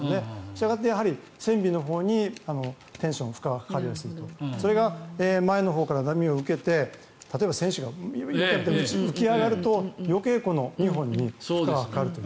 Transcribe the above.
したがって船尾のほうにテンション、負荷がかかりやすいそれが前のほうから波を受けて例えば船首が浮き上がると余計２本に負荷がかかると。